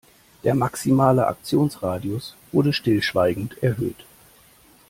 Der maximale Aktionsradius wurde stillschweigend erhöht.